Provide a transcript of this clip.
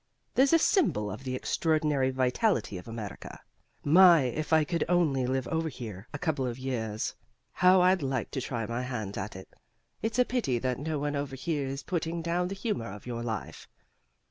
There's a symbol of the extraordinary vitality of America! My, if I could only live over here a couple of years, how I'd like to try my hand at it. It's a pity that no one over here is putting down the humor of your life."